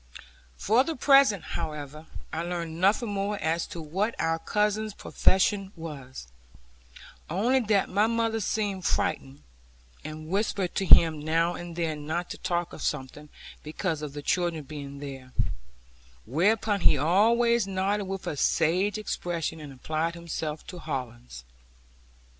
For the present, however, I learned nothing more as to what our cousin's profession was; only that mother seemed frightened, and whispered to him now and then not to talk of something, because of the children being there; whereupon he always nodded with a sage expression, and applied himself to hollands.